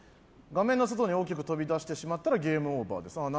画面の外に大きく飛び出してしまったらゲームオーバーですああ